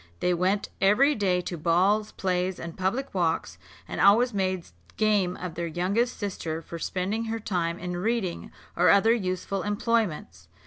They went every day to balls, plays, and public walks, and always made game of their youngest sister for spending her time in reading, or other useful employments.